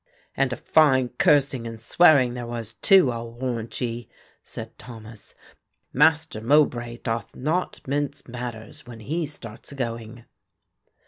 "And a fine cursing and swearing there was too, I'll warrant ye," said Thomas. "Master Mowbray doth not mince matters when he starts a going."